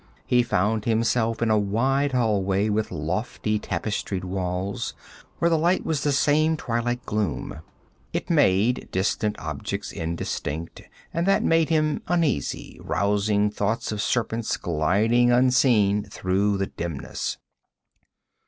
He found himself in a wide hallway with lofty tapestried walls, where the light was the same twilight gloom. It made distant objects indistinct and that made him uneasy, rousing thoughts of serpents gliding unseen through the dimness.